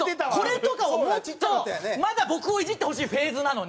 これとかをもっとまだ僕をイジってほしいフェーズなのに。